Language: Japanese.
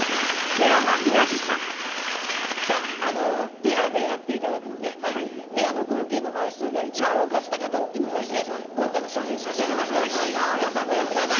ペアでやっていただくのでペアの合計の枚数が一番多かった方っていうのは豪華な賞品差し上げますから頑張ってやってください。